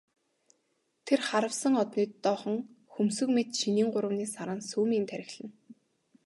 Тэр харвасан одны доохон хөмсөг мэт шинийн гуравны саран сүүмийн тахирлана.